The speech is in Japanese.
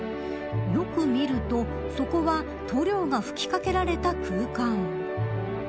よく見るとそこは塗料が吹きかけられた空間。